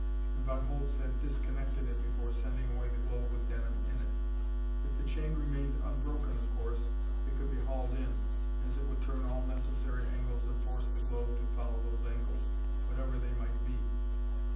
And Von Holtz had disconnected it before sending away the globe with Denham in it. If the chain remained unbroken, of course it could be hauled in, as it would turn all necessary angles and force the globe to follow those angles, whatever they might be....